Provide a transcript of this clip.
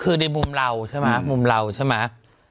คือในมุมเราใช่มั้ย